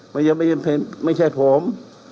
มันยังไม่ใช่ผม